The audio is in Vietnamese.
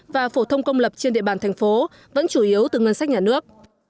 và phổ thông công lập trên địa bàn thành phố vẫn chủ yếu từ ngân sách nhà nước